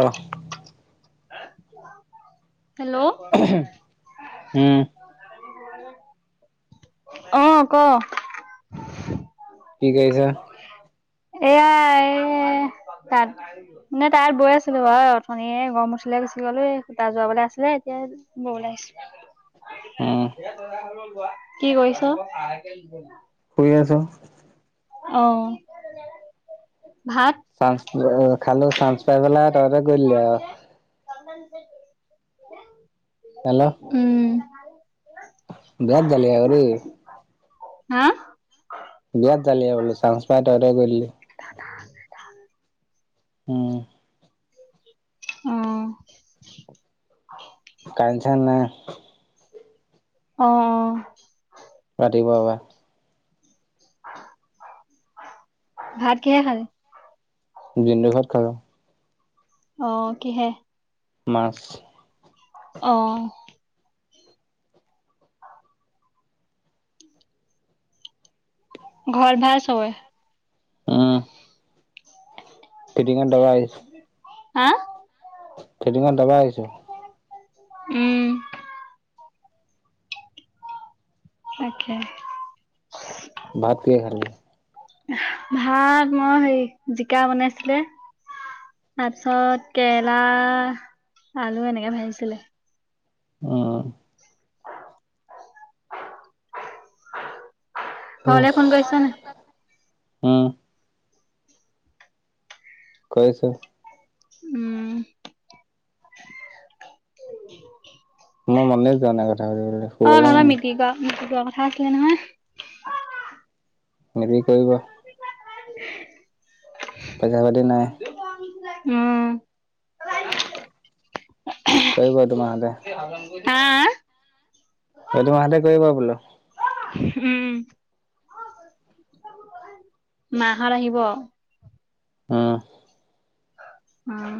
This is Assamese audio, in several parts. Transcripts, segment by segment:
আহ। হেল্ল', উম আহ ক। কি কৈছা, এয়াই এই তাত মানে তাত বৈ আছিলো বাৰু অথনিয় গৰম উঠিলে গুচি গলো তাত যোৱাবলে আছিলে এতিয়া বৈলৈ উম আহিছো স [unintelligible] কি কৰিছো। থ আছো অঁ চ খালোঁ চ বলাটা তহঁতে গৈলী আওঁ কান [inaudible] উম বেট দালি ঘৰে হা বিয়াত জালি বোলো চাস পাই তহতে গলি উম। আহঁ কাইন চাইন নাই। অঁ অঁ। ৰাতিপুৱাৰে পৰা। ভাত কিহে খালে? জিণ্টু ঘৰত খালোঁ অঁ কিহে? মাছ আহ ঘৰত ভাল ছবৰে আহ। কেটিংট। [unintelligible] ত ভাই। হা। খেইদিঙখন যাবা আহিছো। [unintelligible] উম। তাকে। ভাত কি খালি। ভাত মই হেৰি জিকা বনাইছিলে তাৰপিছত কেৰেলা আলু এনেকে ভাজিছিলে। উম। ঘলে ফোন কৰিছ নে। উমহ। কৈছ। উম মই মানে যোৱা নে ক। [unintelligible] অ নানা মিটিক- মিটিক। কথা আছিলে নহয়। নেনি কৰিব। [unintelligible] পইচা পাতি ম নাই [unintelligible] উম। কেই ব তোমা হতে। [unintelligible] হা। সেইটো মাহাতে কৰিব বোলো। উম মাহত আহিব। আহ। উম।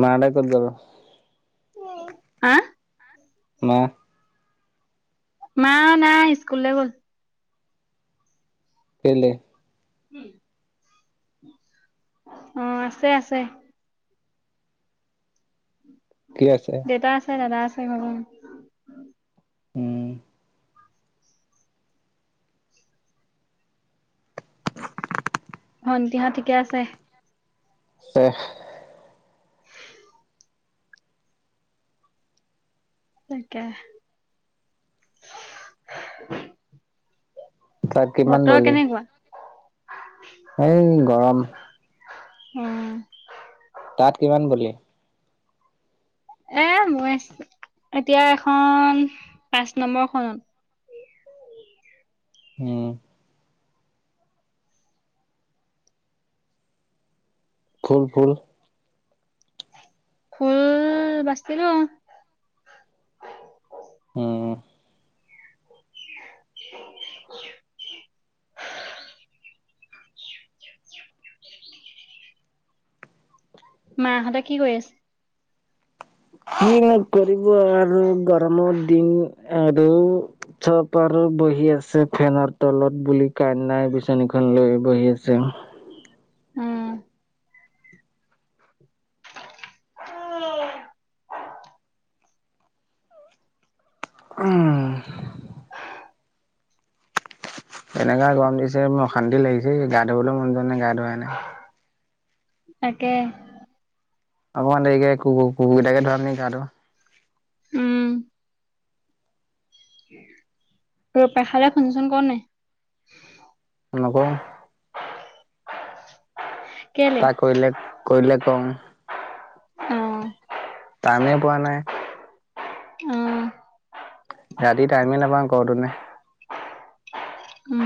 মাহতে কত গল। হা। মা মা নাই স্কুললে গ'ল। কেলে। অ আছে- আছে। কি আছে? দেউতা আছে দাদা আছে। উম [unintelligible] উম। ভণ্টিহত ঠিকে আছে। [unintelligible] আছে। [inaudible] তাকে। [unintelligible] তাক কিমান বতৰ বলি। [unintelligible] কেনেকুৱা এ গৰম। উম তাত কিমান বুলি এ মই এতিয়া এখন পাঁচ নম্বৰখনত উম ফুল ফুল ফুল বাচিলো উম [inaudible] [inaudible] মা হঁতে কি কৰি আছে কি কৰিব কৰিব আৰু গৰমৰ দিন আৰু চব আৰু বহি আছে ফেনৰ তলত বুলি কাইন নাই বিচনীখন লৈ বহি আছে উম ঐ উম এনেকা গৰম দিছে মোৰ অশান্তি লাগিছে গা ধুবলৈও মন যোৱা নাই গা ধুৱাই নাই তাকে অকমান দেৰিকে কু কু কুকুৰ কেইটাকে ধুৱাম নেকি গা ধুৱা উম পেহালে ফোন চন কৰ নাই নকওঁ কেলে? তোক কৰিলে কৰিলে চ [unintelligible] অহ টাইময়ে পোৱা নাই অ', ৰাতি টাইমেই নাপাওঁ কৰ তনে উম।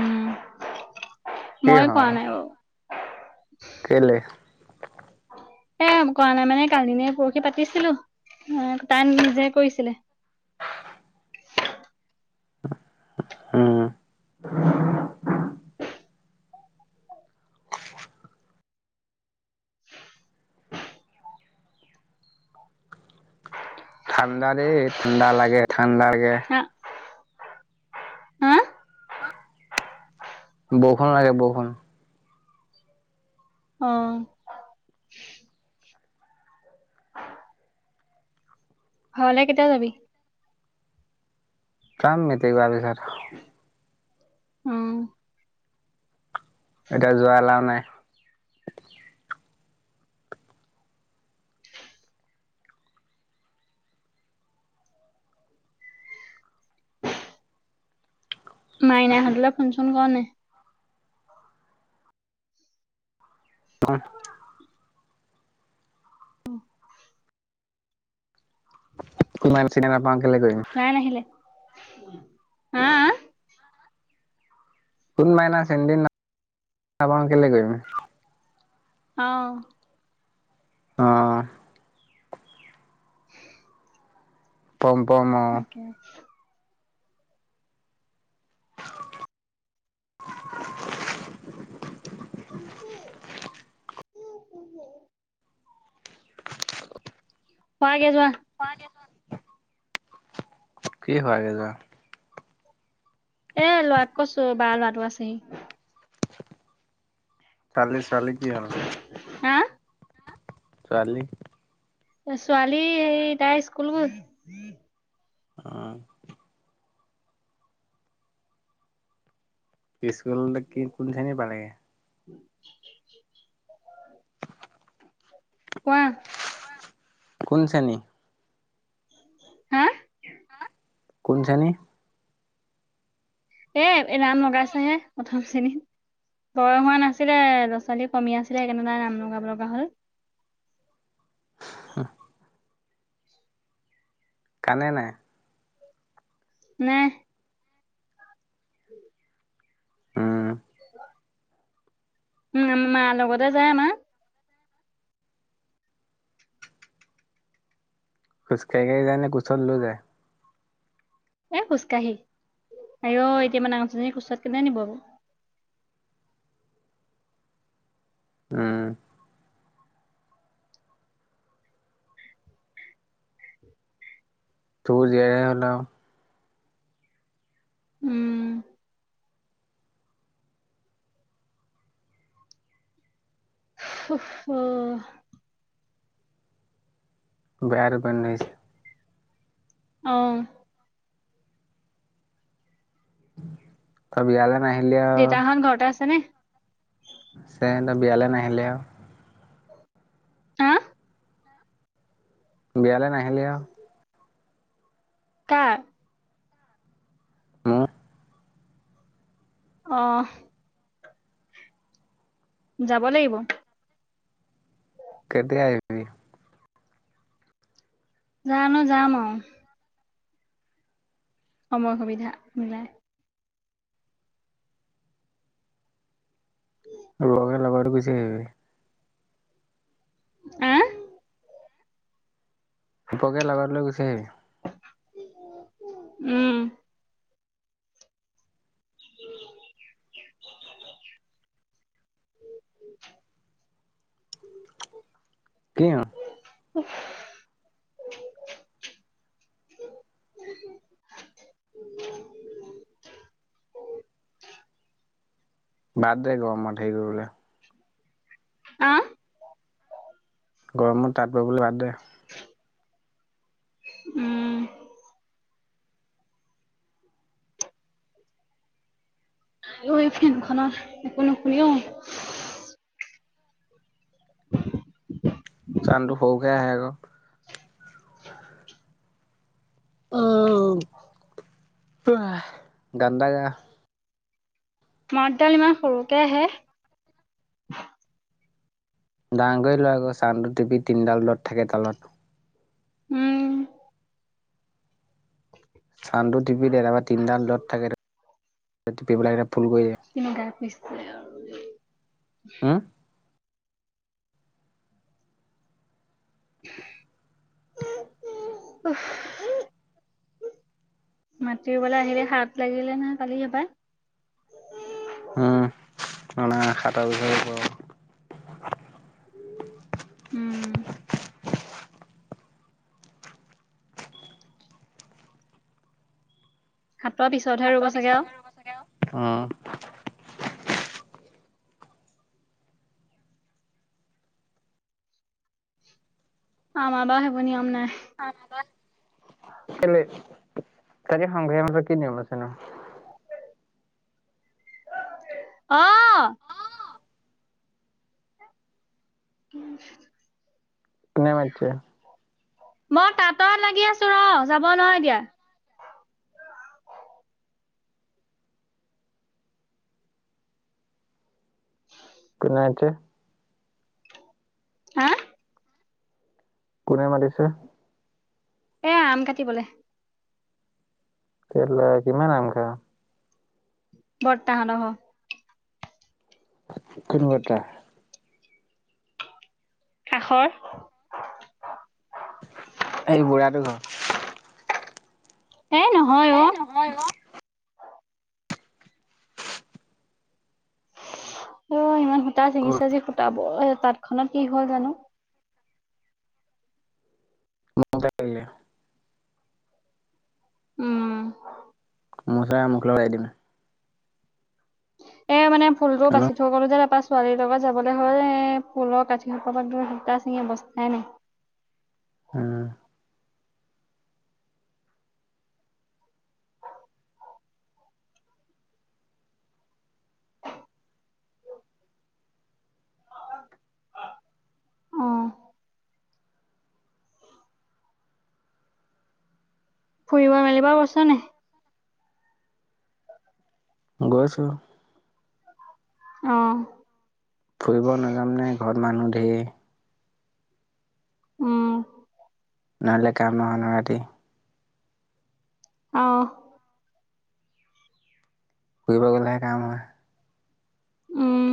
কি মই হ কোৱা নাই বাৰু কেলে এ কৰা নাই মানে কালি নে পৰহি পাতিছিলো তাই নিজে কৰিছিলে উম ঠাণ্ডা দেই ঠাণ্ডা লাগে ঠাণ্ডা লাগে হা হা? বৰষুণ লাগে বৰষুণ অহ ঘৰলে কেতিয়া যাবি কাম মি তে গ আবি ঘাৰ [unintelligible] অ', এতিয়া যোৱা এলাও নাই মাইনা হতলৈ ফুনচোন কৰ নাই তহত সমান চ [unintelligible] বা খেলে কৰিম নাই নাহিলে। হা অ কোন মাইনা চনিদিনাপা কেলে গৈমি [unintelligible] অহ আহঁ উম পম পম অ তাকে [unintelligible] [inaudible] [inaudible] হোৱাগে যোৱা [unintelligible] কি হোৱাগে যোৱা [unintelligible] এ লৱাক কৈছো বাই লৱাটো আছেহি [unintelligible] তালি ছোৱালী কি হল হা? [unintelligible] ছোৱালি। ছোৱালী সেই তাই স্কুল গ'ল! উম পিছতে কি কোনখিনী পালেগে [inaudible] কোৱা কোন শ্ৰেণী হাঁ কোন শ্ৰেনী। এ নাম লগাইছহে প্ৰথম শ্ৰেণীত বয় হোৱা নাছিলে ল'ৰা ছোৱালী কমি আছিলে সেইনেদাই নাম লগাব লগা হল। [inaudible] কান্দো নাই নে উম। উম উম আমাৰ মাৰ লগতে যায় আমাৰ। খোজকাঢ়িয়ে যায় নে কোচতলৈ যায়। এ খোজকাঢ়ি আয় অই এতিয়া ইমান ডাঙৰ জনীক কোচত কেনে নিব ব উম। তোৰ যে হ'লও উম। উফ ফ বেয়া টোপনী লাগিছে। আহঁ তাব ইলে [unintelligible] [unintelligible] [unintelligible] দেউতাখন ঘৰতে আছে নে। আছে বিয়ালে নাহিলে আৰু হাঁ বিয়ালৈ নাহিলি আৰু কাৰ? মোৰ অহঁ যাব লাগিব। কেতিয়া আহিবি? জানো যাম আৰু সময় সুবিধা মিলাই- ৰ‌য়ে লগতে গোছি আহিবি হে। দুপকে লগত লৈ গুছে হেৰি। উম। কি উম। উফ। বাদ দে গৰমত হেৰি কৰিবলৈ। আহ। গৰমত তাঁত ববলৈ বাদ্ দে। উ [unintelligible] উম। ফেনখানৰ একো নোশু ও। [unintelligible] চানটো সৰুকে আহে আকৌ। [unintelligible] গান এটা গা। মাতডাল ইমান সৰুকে আহে। ডাঙ কৰি লোৱা আক চানটো টিপি তিনিডাল থাকে তলত। উম। চাউনটো টিপি দে তাৰপা তিনিটা দত থাকে তাত টিপি পেলাই সেইকেইটা ফুল কৰি দিয়ে। স আৰু [unintelligible] উ [unintelligible] মাটি বলে আহিলে হাৰ লাগিলে নাই পালি হেপায়। উম মানে খটা বিষয়। উম। হাতৰ পিছতহে ৰুব সাতৰ চাগে আৰু পিছতহে ৰুব চাগে আও। অহ আমাৰ বাৰু সেইবোৰ নিয়ম নাই। কেলে তাৰে সংঘহ মছ কি নিয়ম আছেনো। অহ। উম। কোনে মাতিছে। মই তাঁতত লাগি আছো ৰ যাব নোৱাৰোঁ এতিয়া। হয় [unintelligible] কোনে মাতিছে। হা। কোনে মাতিছে। এ আম কাটিবলে। ক্লা কিমান আম খা অ। বৰটা হেট ঘৰ। কোন বৰদেউতা। কাষৰ। এই বুঢ়াটো ঘৰ। এ নহয় সেই অ নহয় ও। অ ইমান। সূটা গ'ল চিঙিছে আজি। তাঁত খনত কি হ'ল জানো? [unintelligible] উম মোৰ ওচৰলে আহ মোখ লগাই দিম। এ মানে ফুলবো বাচি হেল্ল' থৈ গলোঁ যে পাছ- ছোৱালীৰ লগত যাবলৈ হ' এ ফুলৰ কাঠি সোপাপাত ধৰি সোতা চিঙি অৱস্থাই নাই। আহ অ ফুৰিব মেলিব গৈছ নাই? গৈছো আহ ফুৰিব নাযাম নে ঘৰত মানুহ ধেৰ উম নহলে কাম নহয় নহয় ৰাতি আহ ফুৰিব গলেহে কাম হয়। উম